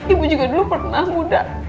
ibu juga dulu pernah muda